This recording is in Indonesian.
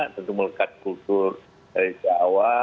tentu melekat kultur dari jawa